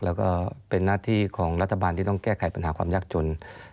แล้วก็เป็นหน้าที่ของรัฐบาลที่ต้องแก้ไขปัญหาความยากจน